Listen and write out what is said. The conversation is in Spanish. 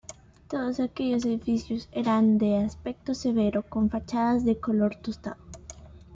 Todos aquellos edificios eran de aspecto severo, con fachadas de color tostado.